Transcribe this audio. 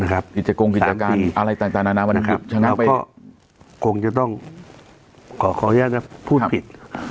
ตะลเลยก็คงจะต้องขอขออนุญาตนะครับพูดผิด